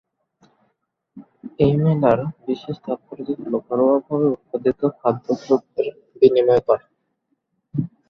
এই মেলার বিশেষ তাৎপর্য হল ঘরোয়া ভাবে উৎপাদিত খাদ্য দ্রব্যের বিনময় করা।